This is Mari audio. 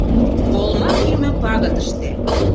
Олма кӱмӧ пагытыште.